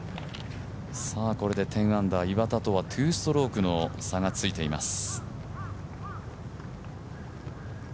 これで１０アンダー、岩田とは２ストロークの差がついています。